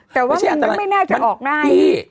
แต่ว่ามันไม่น่าจะออกได้